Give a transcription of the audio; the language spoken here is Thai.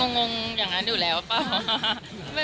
มันก็งงอย่างนั้นอยู่แล้วค่ะ